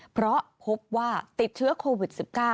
เพราะพบว่าติดเชื้อโควิด๑๙